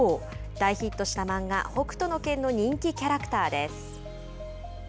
大ヒットした漫画「北斗の拳」の人気キャラクターです。